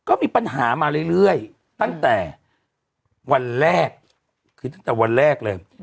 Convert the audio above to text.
ก็มีปัญหามาเรื่อยตั้งแต่วันแรกคือตั้งแต่วันแรกเลย